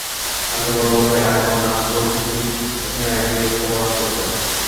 আগে বড় ভাই আয়মন আকবর চৌধুরী এখানে একই দায়িত্ব পালন করতেন।